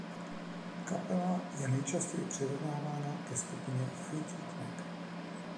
Kapela je nejčastěji přirovnávána ke skupině Fleetwood Mac.